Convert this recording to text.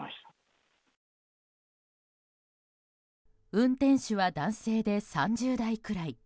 運転手は男性で３０代くらい。